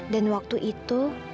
dan waktu itu